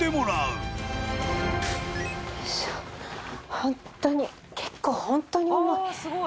ホントに結構ホントに重い。